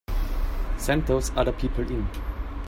Send those other people in.